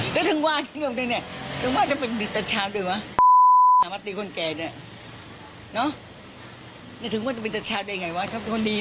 เพลินดูว่ายิงซึ่งสำร้องก็กินเป็นยิงแต่แกไม่ยิงนะแกไม่ชะพดไม่แย่งใคร